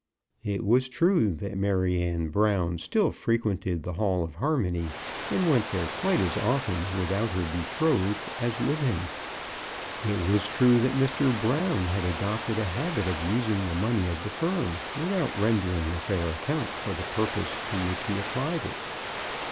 It was true that Maryanne Brown still frequented the Hall of Harmony, and went there quite as often without her betrothed as with him. It was true that Mr. Brown had adopted a habit of using the money of the firm, without rendering a fair account of the purpose to which he applied it.